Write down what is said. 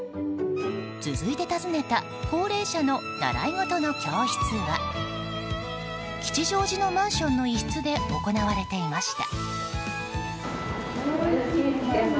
続いて訪ねた高齢者の習い事の教室は吉祥寺のマンションの一室で行われていました。